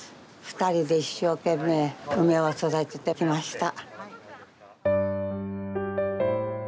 ２人で一生懸命、梅を育ててきました。